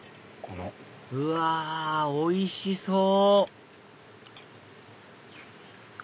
うわおいしそう！